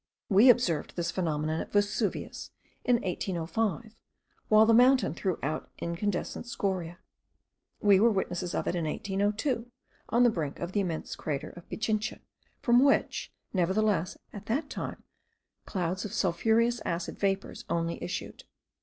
We observed this phenomenon at Vesuvius in 1805, while the mountain threw out incandescent scoriae; we were witnesses of it in 1802, on the brink of the immense crater of Pichincha, from which, nevertheless, at that time, clouds of sulphureous acid vapours only issued.